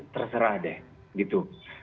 terserah deh gitu